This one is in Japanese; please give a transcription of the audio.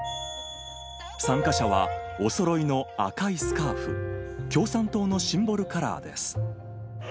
参加者は、おそろいの赤いスカーフ、共産党のシンボルカラーです。